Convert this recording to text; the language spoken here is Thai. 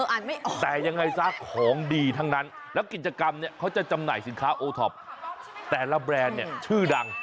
อ่านไม่ออกแต่ยังไงซะของดีทั้งนั้นแล้วกิจกรรมเนี่ยเขาจะจำหน่ายสินค้าโอท็อปแต่ละแบรนด์เนี่ยชื่อดัง